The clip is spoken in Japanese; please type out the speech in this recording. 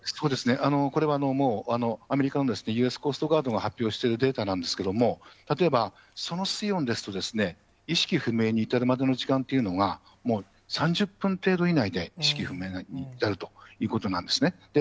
これはもう、アメリカのユーエスコストガードが発表しているデータなんですけれども、例えばその水温ですと、意識不明に至るまでの時間というのが、もう３０分程度以内で意識不明になるということなんですね。